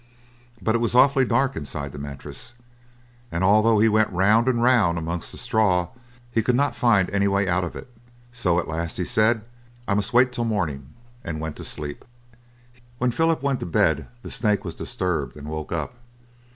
But it was awfully dark inside the mattress, and although he went round and round amongst the straw he could not find any way out of it, so at last he said: "I must wait till morning," and went to sleep. When Philip went to bed the snake was disturbed, and woke up.